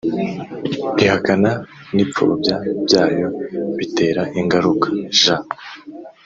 ihakana ni ipfobya byayo bitera ingaruka J